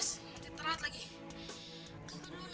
saya balik rumah